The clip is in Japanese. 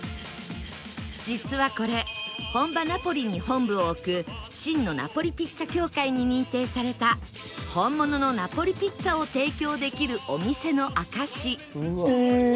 実はこれ本場ナポリに本部を置く真のナポリピッツァ協会に認定された本物のナポリピッツァを提供できるお店の証しへえ